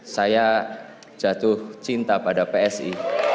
saya jatuh cinta pada psi